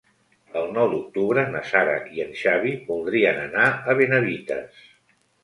El nou d'octubre na Sara i en Xavi voldrien anar a Benavites.